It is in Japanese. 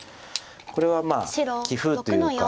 これは棋風というか。